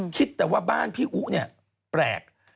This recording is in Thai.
คิดแต่ว่าบ้านพี่อุ๊เนี่ยแปลก